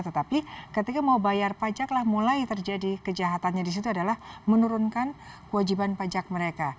tetapi ketika mau bayar pajak lah mulai terjadi kejahatannya disitu adalah menurunkan kewajiban pajak mereka